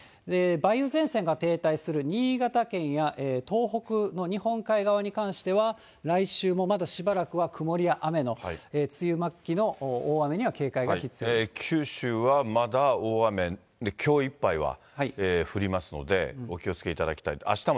梅雨前線が停滞する新潟県や東北の日本海側に関しては、来週もまだしばらくは曇りや雨の梅雨末期の大雨には警戒が必要で九州はまだ大雨、きょういっぱいは降りますので、お気をつけていただきたいと。